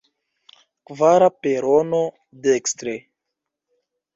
Kvara perono, dekstre.